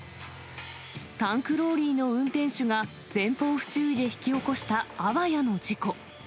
タンクローリーの運転手が、前方不注意で引き起こしたあわやの事故。